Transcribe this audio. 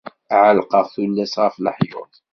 Ɛelqeɣ tullas ɣef leḥyuḍ.